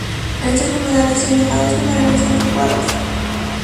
Estos numerales son llamados numerales anticuados.